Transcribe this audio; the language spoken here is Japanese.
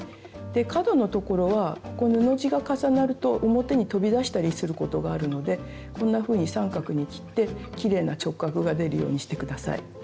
で角のところはここ布地が重なると表に飛び出したりすることがあるのでこんなふうに三角に切ってきれいな直角が出るようにして下さい。